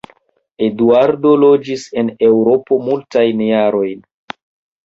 Eduardo loĝis en Eŭropo multajn jarojn.